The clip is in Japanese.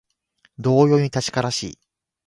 同様に確からしい